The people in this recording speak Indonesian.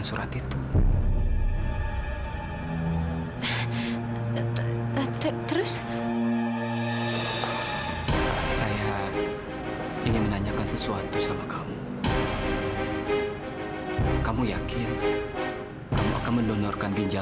jika benar kamu anaknya dokter fnd